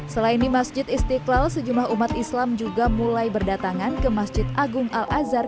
selain di masjid istiqlal sejumlah umat islam juga mulai berdatangan ke masjid agung al azhar